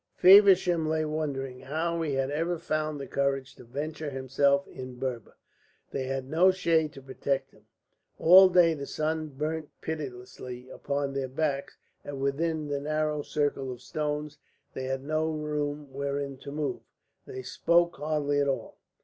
Feversham lay wondering how he had ever found the courage to venture himself in Berber. They had no shade to protect them; all day the sun burnt pitilessly upon their backs, and within the narrow circle of stones they had no room wherein to move. They spoke hardly at all.